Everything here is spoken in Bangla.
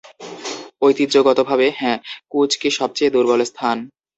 ঐতিহ্যগতভাবে, হ্যাঁ, কুঁচকি সবচেয়ে দুর্বল স্থান।